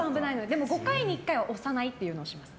でも５回に１回は押さないっていうのをします